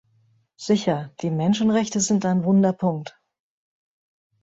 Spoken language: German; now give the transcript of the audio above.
Sicher, die Menschenrechte sind ein wunder Punkt.